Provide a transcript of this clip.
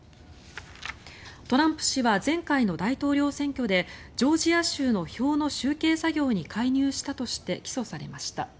トランプ氏は前回の大統領選挙でジョージア州の票の集計作業に介入したとして起訴されました。